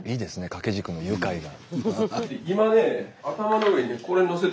掛け軸の「愉快」が。